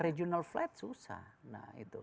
regional flight susah nah itu